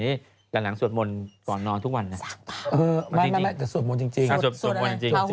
เปลี่ยนเขาเปลี่ยนเป็นคนใหม่แล้ว